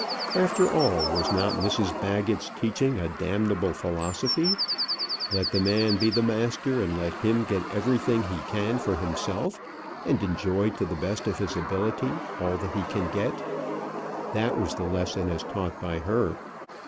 After all, was not Mrs Baggett's teaching a damnable philosophy? Let the man be the master, and let him get everything he can for himself, and enjoy to the best of his ability all that he can get. That was the lesson as taught by her.